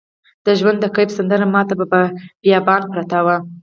د ژوند د کیف سندره ماته په بیابان پرته وه